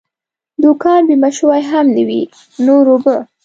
دوکان بیمه شوی هم نه وي، نور اوبه.